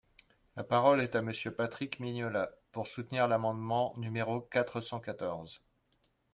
La parole est à Monsieur Patrick Mignola, pour soutenir l’amendement numéro quatre cent quatorze.